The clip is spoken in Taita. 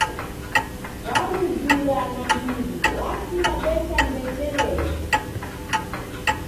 Warujuya nandighi wasinda becha mbechelele.